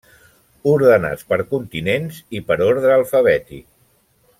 Ordenats per continents i per ordre alfabètic.